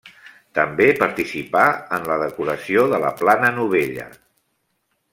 També participà en la decoració de la Plana Novella.